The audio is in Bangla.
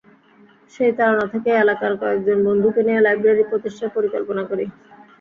সেই তাড়না থেকেই এলাকার কয়েকজন বন্ধুকে নিয়ে লাইব্রেরি প্রতিষ্ঠার পরিকল্পনা করি।